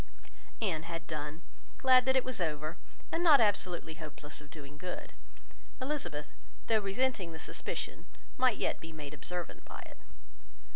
Anne had done; glad that it was over, and not absolutely hopeless of doing good. Elizabeth, though resenting the suspicion, might yet be made observant by it.